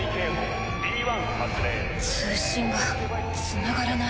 通信がつながらない。